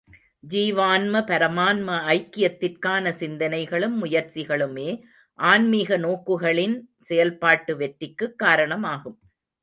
ஜீவான்ம, பரமான்ம ஐக்கியத்திற்கான சிந்தனைகளும், முயற்சிகளுமே ஆன்மீக நோக்குகளின் செயல்பாட்டு வெற்றிக்குக் காரணமாகும்.